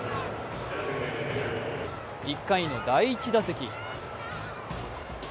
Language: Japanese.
１回の第１打席。